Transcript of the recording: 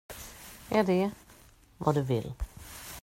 Är det vad du vill?